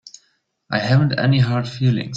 I haven't any hard feelings.